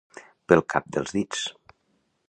Pel cap dels dits.